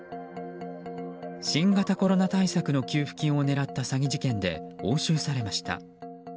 新型コロナ対策の給付金を狙った詐欺事件で押収されました。